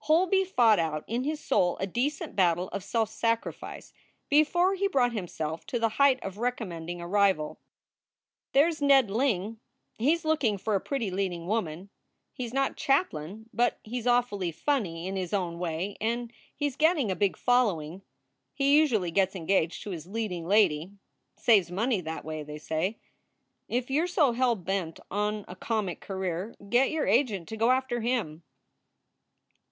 Holby fought out in his soul a decent battle of self sac rifice before he brought himself to the height of recommend ing a rival. "There s Ned Ling; he s looking for a pretty leading woman. He s not Chaplin, but he s awfully funny in his own way and he s getting a big following. He usually gets engaged to his leading lady saves money that way, they say. If you re so hell bent on a comic career get your agent to go after him."